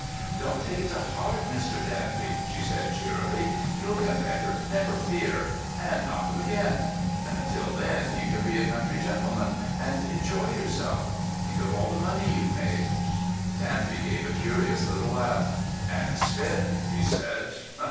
"Don't take it to heart, Mr. Danby," she said cheerily. "You'll get better, never fear, and knock 'em again. And, until then, you can be a country gentleman, and enjoy yourself. Think of all the money you've made!" Danby gave a curious little laugh. "And spent," he said.